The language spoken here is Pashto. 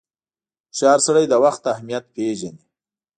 • هوښیار سړی د وخت اهمیت پیژني.